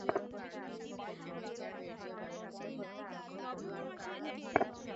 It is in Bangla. আদালতে যাওয়া তিনি অনেক কমাইয়া ফেলিয়াছেন।